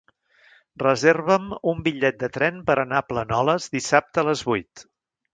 Reserva'm un bitllet de tren per anar a Planoles dissabte a les vuit.